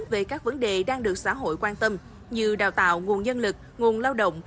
về các vấn đề đang được xã hội quan tâm như đào tạo nguồn nhân lực nguồn lao động